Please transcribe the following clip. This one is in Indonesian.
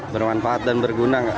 bermanfaat dan berguna nggak